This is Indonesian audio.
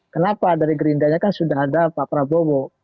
kenapa dari gerindanya kan sudah ada pak prabowo